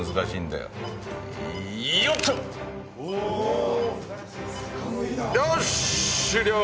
よし終了。